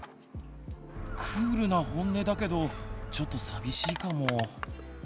クールなホンネだけどちょっと寂しいかも。